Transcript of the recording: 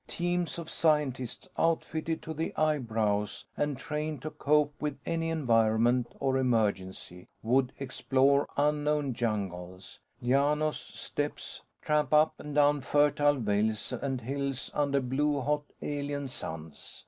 Teams of scientists outfitted to the eyebrows and trained to cope with any environment or emergency, would explore unknown jungles, llanos, steppes; tramp up and down fertile vales and hills under blue hot alien suns.